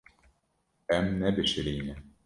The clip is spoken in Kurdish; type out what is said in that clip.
Em nebişirîne.